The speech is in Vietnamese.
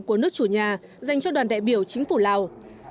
của nước chủ nhà dành cho đoàn đại biểu chính phủ lào